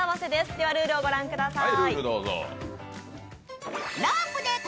ではルールをご覧ください。